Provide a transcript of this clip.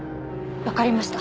わかりました。